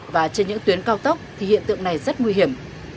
và trên những tuyến cao tốc thì hiện tượng này rất nguy hiểm